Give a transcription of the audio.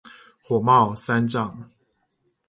火冒三丈